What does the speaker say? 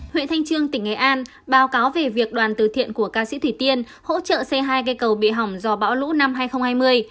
huyện thanh trương tỉnh nghệ an báo cáo về việc đoàn từ thiện của ca sĩ thủy tiên hỗ trợ xây hai cây cầu bị hỏng do bão lũ năm hai nghìn hai mươi